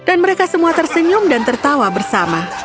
dan mereka semua tersenyum dan tertawa bersama